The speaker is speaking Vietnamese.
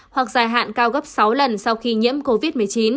hoặc dài hạn cao gấp sáu lần sau khi nhiễm covid một mươi chín